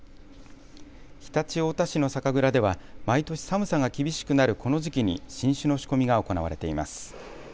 常陸太田市の酒蔵では毎年、寒さが厳しくなるこの時期に新酒の仕込みが行われています。